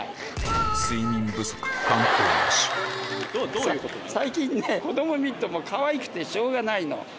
どういうことなんですか？